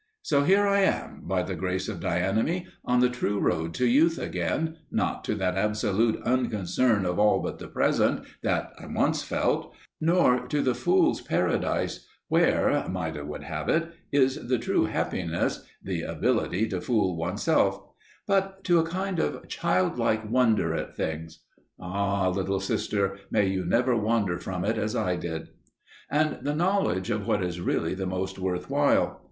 So here I am, by the grace of Dianeme, on the true road to youth again, not to that absolute unconcern of all but the present, that I once felt, nor to the fool's paradise, where, Maida would have it, is the true happiness "the ability to fool one's self" but to a kind of childlike wonder at things (ah, Little Sister, may you never wander from it as I did!) and the knowledge of what is really the most worth while.